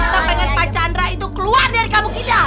kita pengen pak chandra itu keluar dari kampung kita